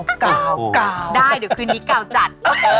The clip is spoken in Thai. ได้เดี๋ยวคืนนี้กาวจัด